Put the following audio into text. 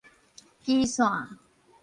基線